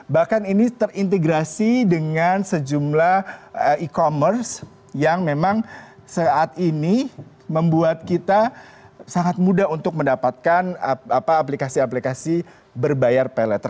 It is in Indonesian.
bahkan ini terintegrasi dengan sejumlah e commerce yang memang saat ini membuat kita sangat mudah untuk mendapatkan aplikasi aplikasi berbayar pay later